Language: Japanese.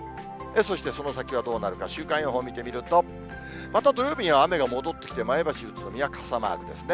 そしてその先はどうなるか、週間予報を見てみると、また土曜日には雨が戻ってきて、前橋、宇都宮、傘マークですね。